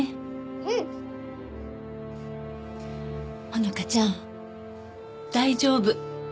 穂花ちゃん大丈夫。